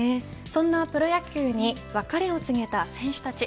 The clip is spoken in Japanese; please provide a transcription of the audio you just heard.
そんなプロ野球に別れを告げた選手たち。